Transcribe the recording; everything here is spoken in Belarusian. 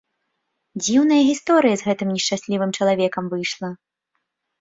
Дзіўная гісторыя з гэтым нешчаслівым чалавекам выйшла.